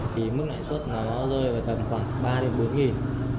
thì mức lãi suất nó rơi vào tầm khoảng ba bốn nghìn